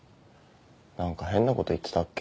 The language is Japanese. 何か変なこと言ってたっけ。